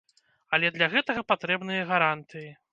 Але для гэтага патрэбныя гарантыі.